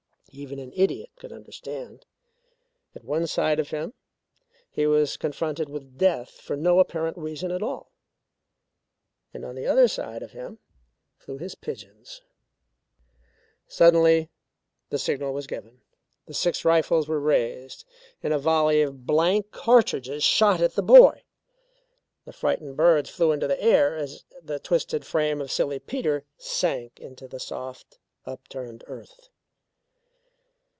Even an idiot could understand. At one side of him he was confronted with death for no apparent reason at all. And on the other side of him flew his pigeons. Suddenly the signal was given; the six rifles were raised, and a volley of blank cartridges shot at the boy. The frightened birds flew into the air as the twisted frame of Silly Peter sank into the soft, upturned earth.